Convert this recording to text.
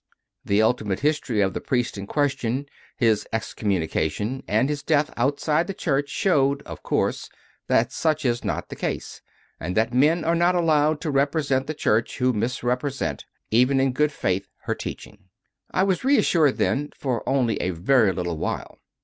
The ultimate history of the priest in ques tion, his excommunication, and his death outside the Church showed, of course, that such is not the case, and that men are not allowed to represent the Church who misrepresent, even in good faith, her teaching. I was reassured, then, for only a very little while.